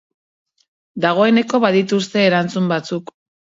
Dagoeneko badituzte erantzun batzuk.